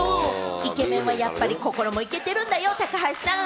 イケメンはやっぱり心もイケてるんだよ、高橋さん。